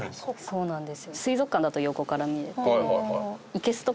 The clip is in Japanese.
そうなんです。